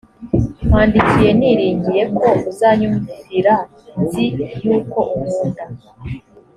nkwandikiye niringiye ko uzanyumvira nzi yuko unkunda